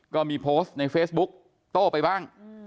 ก็มีโพสต์ในเฟซบุ๊กโต้ไปบ้าง